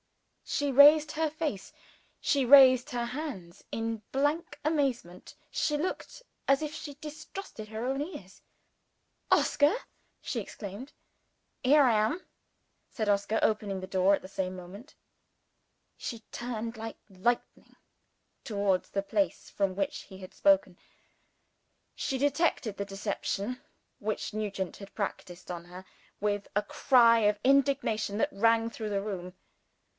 She raised her face, she raised her hands, in blank amazement: she looked as if she distrusted her own ears. "Oscar!" she exclaimed. "Here I am," said Oscar, opening the door at the same moment. She turned like lightning towards the place from which he had spoken. She detected the deception which Nugent had practiced on her, with a cry of indignation that rang through the room.